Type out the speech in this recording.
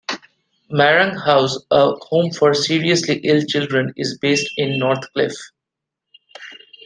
Marang House, a home for seriously ill children, is based in Northcliff.